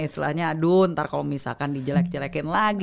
istilahnya aduh ntar kalau misalkan dijelek jelekin lagi